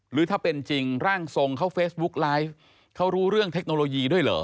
หรือถ้าเป็นจริงร่างทรงเขาเฟซบุ๊กไลฟ์เขารู้เรื่องเทคโนโลยีด้วยเหรอ